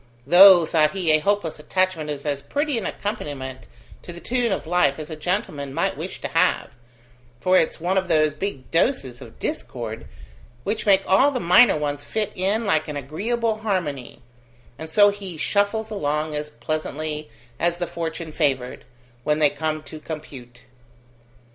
"Though," thought he, "a hopeless attachment is as pretty an accompaniment to the tune of life as a gentleman might wish to have, for it's one of those big doses of discord which make all the minor ones fit in like an agreeable harmony, and so he shuffles along as pleasantly as the fortune favoured, when they come to compute!"